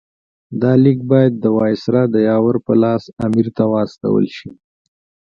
دا لیک باید د وایسرا د یاور په لاس امیر ته واستول شي.